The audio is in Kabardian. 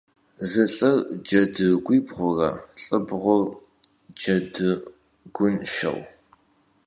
Zı lh'ır cedıguibğure lh'ibğur cedıgunşşeu.